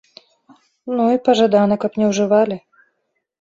Ну і, пажадана, каб не ўжывалі.